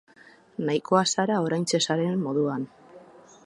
Nahikoa zara oraintxe zaren moduan.